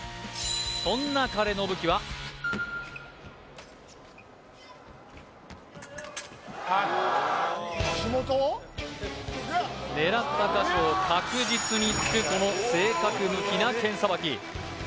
そんな彼の武器は狙った箇所を確実に突くこの正確無比な剣さばき